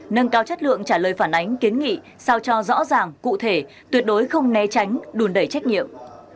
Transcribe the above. nâng cao chất lượng trả lời phản ánh kiến nghị sao cho rõ ràng cụ thể tuyệt đối không né tránh đùn đẩy trách nhiệm